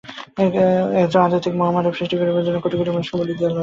একজন আধ্যাত্মিক মহামানব সৃষ্টি করিবার জন্য কোটি কোটি মানুষকে বলি দিয়া লাভ নাই।